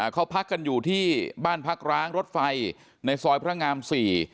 เขาพักกันอยู่ที่บ้านพักร้างรถไฟในซอยพระงาม๔